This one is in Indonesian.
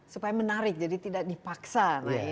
supaya menarik jadi tidak dipaksa